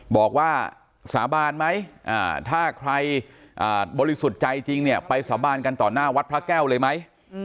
บอกว่าสาบานไหมถ้าใครบริสุทธิ์ใจจริงเนี่ยไปสาบานกันต่อหน้าวัดพระแก้วเลยไหม